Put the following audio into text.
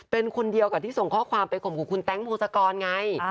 เป็นคนเดียวกับที่ส่งข้อความไปข่มขู่คุณแต๊งพงศกรไง